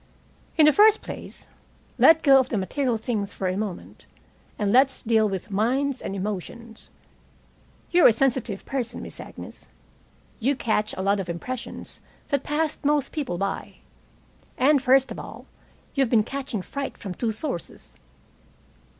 In the first place, let go of the material things for a moment, and let's deal with minds and emotions. You're a sensitive person, Miss Agnes. You catch a lot of impressions that pass most people by. And, first of all, you've been catching fright from two sources."